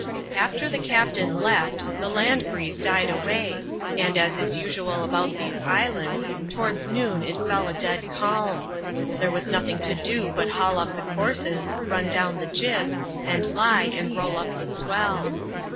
After the captain left, the land breeze died away ; and, as is visual about these islands, towards noon it fell a dead calm. There was nothing to do but haul up the courses, run down the jib, and lie and roll up the swells.